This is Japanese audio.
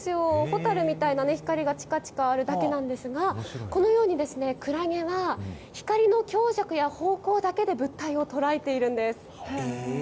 ホタルみたいな光がちかちかあるだけなんですが、このようにクラゲは光の強弱や方向だけで物体を捉えているんです。